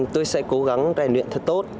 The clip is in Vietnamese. tôi sẽ cố gắng rèn luyện thật tốt